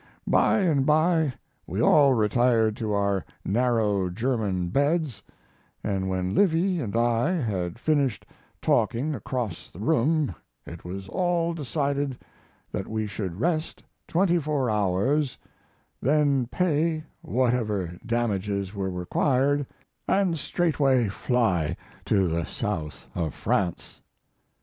By and by we all retired to our narrow German beds, and when Livy and I had finished talking across the room it was all decided that we should rest twenty four hours, then pay whatever damages were required and straightway fly to the south of France.